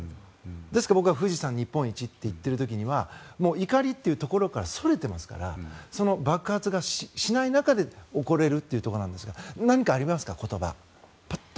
ですから僕は富士山日本一と言っている時には怒りっていうところからそれていますから爆発がしない中で怒れるというところですが何かありますか？